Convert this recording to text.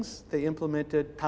mereka mengimplementasikan tapanas